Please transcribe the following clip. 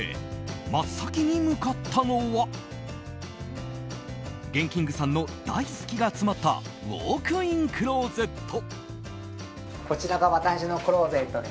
真っ先に向かったのはＧＥＮＫＩＮＧさんの大好きが詰まったウォークインクローゼット。